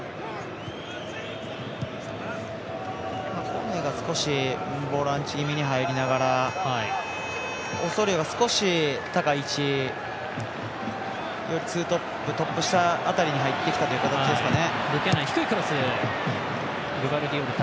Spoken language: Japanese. コネがボランチ気味に入りながらオソリオが少し高い位置トップ下辺りに入ってきたという形ですかね。